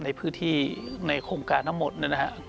ในพื้นที่ในโครงการทั้งหมดนะครับ